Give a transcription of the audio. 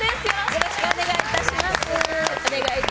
よろしくお願いします。